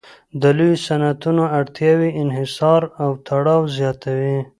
د لویو صنعتونو اړتیاوې انحصار او تړاو زیاتوي